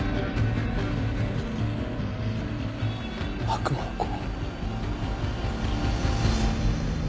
悪魔の子？